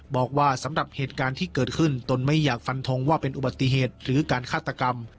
บอกว่าสำหรับเหตุการณ์ที่เกิดขึ้นตนไม่อยากฟันทงว่าเป็นอุบัติเหตุหรือการฆาตกรรม